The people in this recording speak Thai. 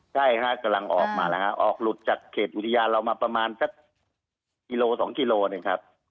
ใช่ฮะกำลังออกมาแล้วฮะออกหลุดจากเขตอุทยานเรามาประมาณสักกิโลสองกิโลหนึ่งครับ